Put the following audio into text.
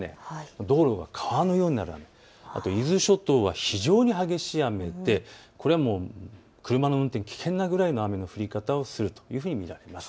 道路が川のようになる、伊豆諸島は非常に激しい雨で車の運転、危険なくらいの雨の降り方をするというふうに思われます。